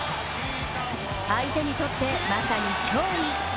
相手にとって、まさに脅威。